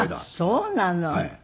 そうなの。